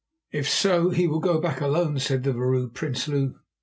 "If so, he will go back alone," said the Vrouw Prinsloo.